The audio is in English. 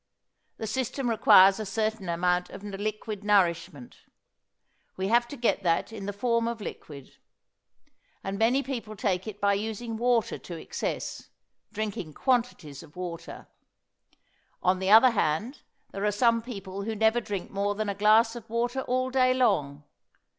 The system requires a certain amount of liquid nourishment. We have to get that in the form of liquid, and many people take it by using water to excess drinking quantities of water. On the other hand, there are some people who never drink more than a glass of water all day long.